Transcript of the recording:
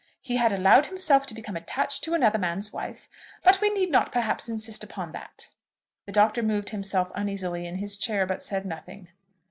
He had allowed himself to become attached to another man's wife; but we need not, perhaps, insist upon that." The Doctor moved himself uneasily in his chair, but said nothing.